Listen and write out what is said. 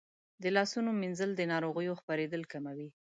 د لاسونو مینځل د ناروغیو خپرېدل کموي.